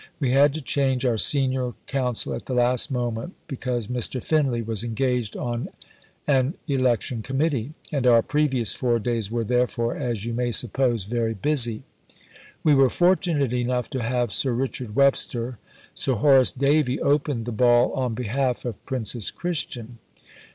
We had to change our senior counsel at the last moment, because Mr. Finlay was engaged on an Election Committee. And our previous four days were, therefore, as you may suppose, very busy. We were fortunate enough to have Sir Richard Webster. Sir Horace Davey opened the Ball on behalf of Princess Christian.